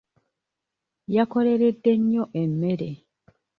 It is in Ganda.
Yakoleredde nnyo emmere.